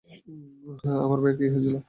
আমার ভাইয়ের কী হয়েছিল?